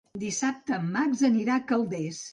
Dissabte en Max anirà a Calders.